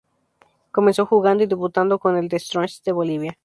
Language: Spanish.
Comenzó jugando y debutando con el The Strongest de Bolivia.